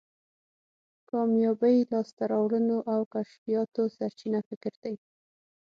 کامیابی، لاسته راوړنو او کشفیاتو سرچینه فکر دی.